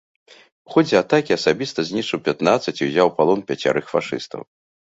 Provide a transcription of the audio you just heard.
У ходзе атакі асабіста знішчыў пятнаццаць і ўзяў у палон пяцярых фашыстаў.